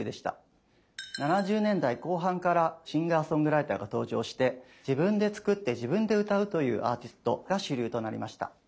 ７０年代後半からシンガーソングライターが登場して自分で作って自分で歌うというアーティストが主流となりました。